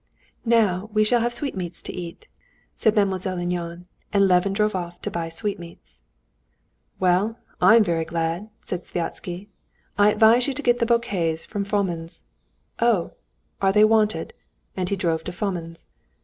"Now we shall have sweetmeats to eat," said Mademoiselle Linon—and Levin drove off to buy sweetmeats. "Well, I'm very glad," said Sviazhsky. "I advise you to get the bouquets from Fomin's." "Oh, are they wanted?" And he drove to Fomin's.